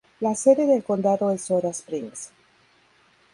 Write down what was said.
La sede del condado es Soda Springs.